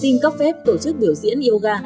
xin cấp phép tổ chức biểu diễn yoga